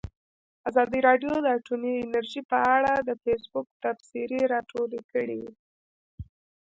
ازادي راډیو د اټومي انرژي په اړه د فیسبوک تبصرې راټولې کړي.